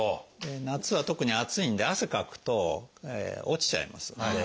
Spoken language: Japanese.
夏は特に暑いんで汗かくと落ちちゃいますんで効果が。